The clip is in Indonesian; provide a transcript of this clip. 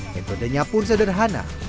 metodenya pun sederhana